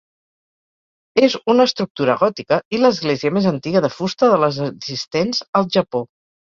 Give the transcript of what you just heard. És una estructura gòtica i l'església més antiga de fusta de les existents al Japó.